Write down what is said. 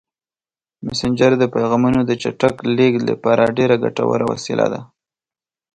مسېنجر د پیغامونو د چټک لیږد لپاره ډېره ګټوره وسیله ده.